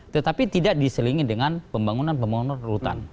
tetapi tidak diselingi dengan pembangunan pembangunan rutan